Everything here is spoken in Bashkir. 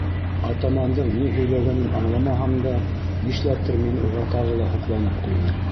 Атамандың ни һөйләгәнен аңламаһам да, нишләптер мин уға тағы ла һоҡланып ҡуйҙым.